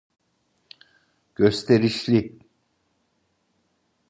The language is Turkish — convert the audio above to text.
Gösterişli.